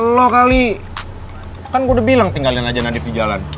lo kali kan gue udah bilang tinggalin aja nadief di jalan